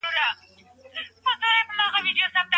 ولي هدف ته د رسیدو هیله باید تل ژوندۍ وي؟